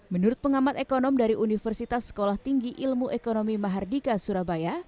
menurut pengamat ekonom dari universitas sekolah tinggi ilmu ekonomi mahardika surabaya